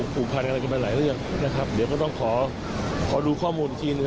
ผูกผ่านกันไปหลายเรื่องนะครับเดี๋ยวก็ต้องขอดูข้อมูลทีนึง